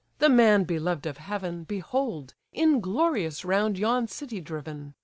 the man beloved of heaven, Behold, inglorious round yon city driven!